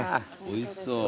おいしそう。